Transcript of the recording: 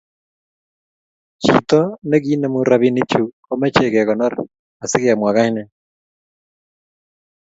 chito neki inemu robinichu komochei kekonor asi kemwa kainenyin